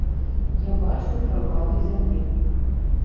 Я бачыў правалы зямлі.